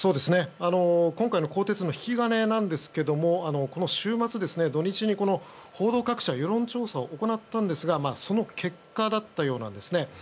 今回の更迭の引き金はこの週末、土日に報道各社が行った世論調査その結果だったようなんですね。